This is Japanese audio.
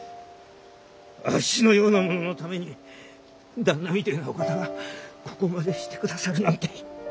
あっしのような者のために旦那みてえなお方がここまでしてくださるなんて！